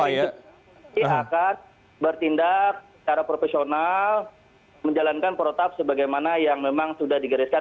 artinya dia akan bertindak secara profesional menjalankan protap sebagaimana yang memang sudah digeriskan